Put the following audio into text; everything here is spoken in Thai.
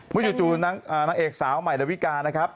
จู่นางเอกสาวใหม่ดาวิกานะครับ